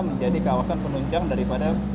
menjadi kawasan penunjang daripada